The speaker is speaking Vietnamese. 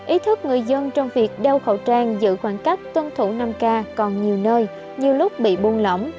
ý thức người dân trong việc đeo khẩu trang giữ khoảng cách tuân thủ năm k còn nhiều nơi như lúc bị buông lỏng